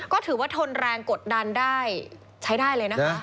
ก็ถือว่าทนแรงกดดันได้ใช้ได้เลยนะคะ